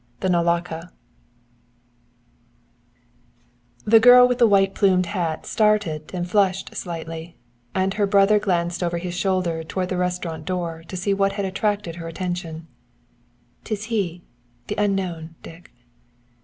The Naulahka. The girl with the white plumed hat started and flushed slightly, and her brother glanced over his shoulder toward the restaurant door to see what had attracted her attention. "'Tis he, the unknown, Dick."